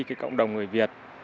cái cộng đồng người việt